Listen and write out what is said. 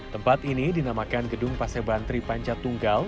tempat ini dinamakan gedung paseban tri panca tunggal